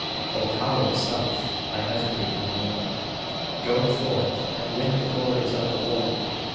O! coward self I hesitate no more; Go forth, and win the glories of the war.